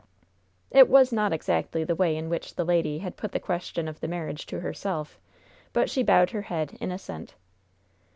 It was not exactly the way in which the lady had put the question of the marriage to herself, but she bowed her head in assent.